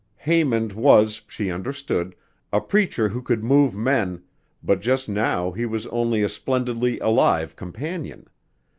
Haymond was, she understood, a preacher who could move men, but just now he was only a splendidly alive companion.